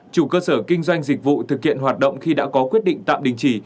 một mươi ba chủ cơ sở kinh doanh dịch vụ thực hiện hoạt động khi đã có quyết định tạm đình chỉ